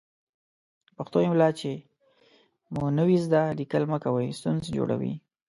د پښتو املا چې مو نه وي ذده، ليکل مه کوئ ستونزې جوړوي.